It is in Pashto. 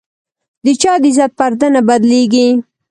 د چا د عزت پرده نه بدلېږي.